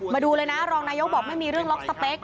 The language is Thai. มาดูเลยนะรองนายกบอกไม่มีเรื่องล็อกสเปค